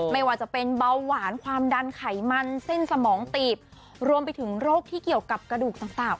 ไม่ว่าจะเป็นเบาหวานความดันไขมันเส้นสมองตีบรวมไปถึงโรคที่เกี่ยวกับกระดูกต่าง